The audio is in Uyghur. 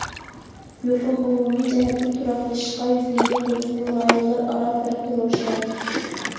يۇقۇم ئومۇمىي جەھەتتىن تۇراقلىشىشقا يۈزلەنگەن بولسىمۇ، رايونلار ئارا پەرق روشەن.